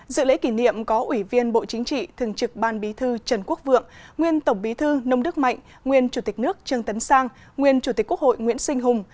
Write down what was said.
dự lễ kỷ niệm có ủy viên bộ chính trị thường trực ban bí thư trần quốc vượng nguyên tổng bí thư nông đức mạnh nguyên chủ tịch nước trương tấn sang nguyên chủ tịch quốc hội nguyễn sinh hùng